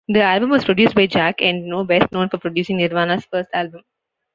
The album was produced by Jack Endino, best known for producing Nirvana's first album.